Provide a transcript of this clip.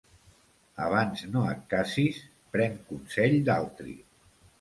Abans no et casis, pren consell d'altri.